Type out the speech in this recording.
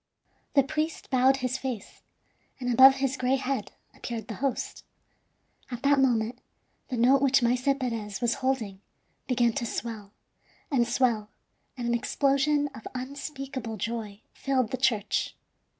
The priest bowed his face, and above his gray head appeared the host. At that moment the note which Maese Perez was holding began to swell and swell, and an explosion of unspeakable joy filled the church.